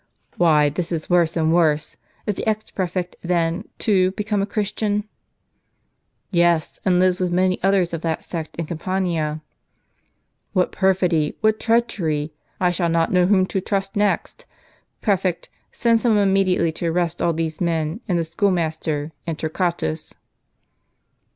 " Why, this is worse and worse. Is the ex prefect then, too, become a Christian ?" "Tes, and lives with many others of that sect in Cam pania." " What perfidy ! what treachery ! I shall not know whom to trust next. Prefect, send some one immediately to arrest all these men, and the school master, and Torquatus."